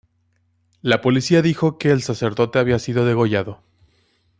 La policía dijo que el sacerdote había sido degollado.